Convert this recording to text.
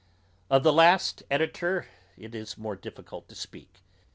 Of the last editor it is more difficult to speak.